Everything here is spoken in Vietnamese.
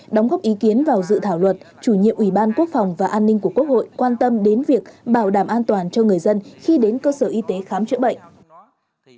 đóng góp ý kiến vào dự thảo luật chủ nhiệm ủy ban quốc phòng và an ninh của quốc hội quan tâm đến việc bảo đảm an toàn cho người dân khi đến cơ sở y tế khám chữa bệnh